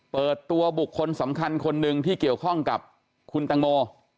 เปิดตัวบุคคลสำคัญคนหนึ่งที่เกี่ยวข้องกับคุณตังโม